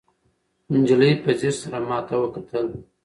نجلۍ په ځیر سره ماته وکتل.